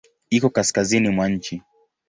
Iko kaskazini mwa nchi.